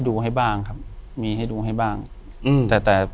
อยู่ที่แม่ศรีวิรัยิลครับ